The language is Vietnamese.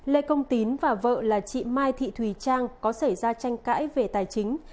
lê công tín và vợ là chị mai thị thùy trang có xảy ra tranh cãi về tài chính